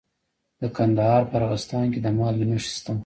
د کندهار په ارغستان کې د مالګې نښې شته.